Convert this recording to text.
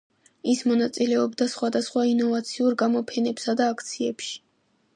ის მონაწილეობდა სხვადასხვა ინოვაციურ გამოფენებსა და აქციებში.